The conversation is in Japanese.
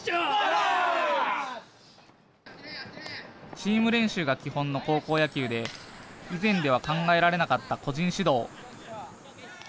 チーム練習が基本の高校野球で以前では考えられなかった個人指導。